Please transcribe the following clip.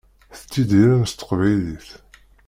Tettidirem s teqbaylit.